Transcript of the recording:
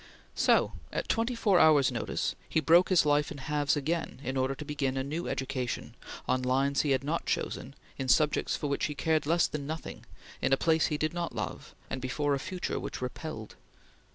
So, at twenty four hours' notice, he broke his life in halves again in order to begin a new education, on lines he had not chosen, in subjects for which he cared less than nothing; in a place he did not love, and before a future which repelled.